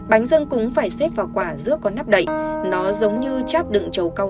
bánh dâng cúng phải xếp vào quả giữa con nắp đậy nó giống như cháp đựng trầu cao tu